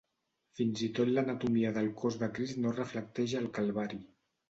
Fins i tot l'anatomia del cos del Crist no reflecteix el calvari.